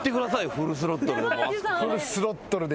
フルスロットルで。